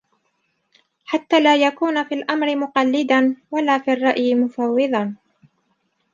حَتَّى لَا يَكُونَ فِي الْأَمْرِ مُقَلِّدًا وَلَا فِي الرَّأْيِ مُفَوِّضًا